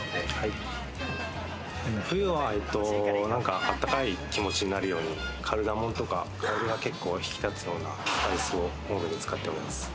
冬は温かい気持ちになるようにカルダモンとか、香りが結構引き立つようなスパイスを多めに使っております。